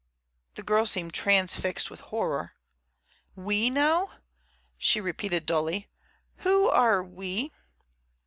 The girl seemed transfixed with horror. "We know?" she repeated dully. "Who are we?"